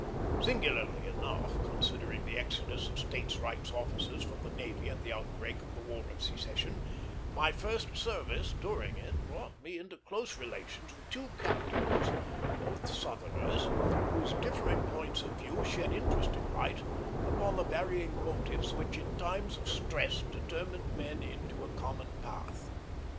Singularly enough, considering the exodus of States' Rights officers from the navy at the outbreak of the War of Secession, my first service during it brought me into close relations with two captains, both Southerners, whose differing points of view shed interesting light upon the varying motives which in times of stress determined men into a common path.